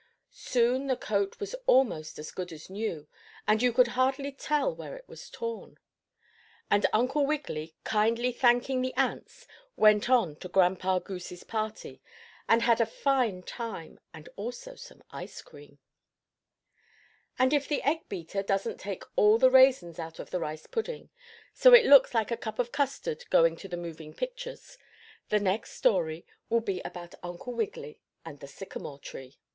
Soon the coat was almost as good as new and you could hardly tell where it was torn. And Uncle Wiggily, kindly thanking the ants, went on to Grandpa Goosey's party and had a fine time and also some ice cream. And if the egg beater doesn't take all the raisins out of the rice pudding, so it looks like a cup of custard going to the moving pictures, the next story will be about Uncle Wiggily and the sycamore tree.